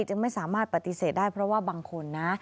จึงไม่สามารถปฏิเสธได้เพราะว่าบางคนนะ